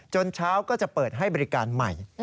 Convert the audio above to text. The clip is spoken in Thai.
เช้าก็จะเปิดให้บริการใหม่